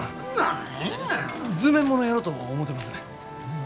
図面ものやろと思てますねん。